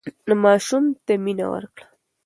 ماشوم ته مینه ورکړه.